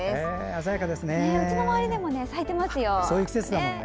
うちの周りでも咲いていますよ。